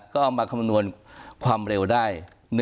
ก็เอามาคำนวณความเร็วได้